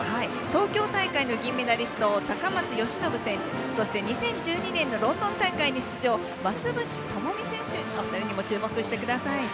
東京大会の銀メダリスト高松義伸選手そして、２０１２年のロンドン大会に出場増渕倫巳選手のお二人にも注目してください。